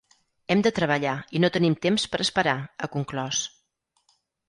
Hem de treballar i no tenim temps per esperar, ha conclòs.